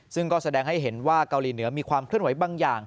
ซึ่งก็แสดงให้เห็นว่าเกาหลีเหนือมีความเคลื่อนไหวบางอย่าง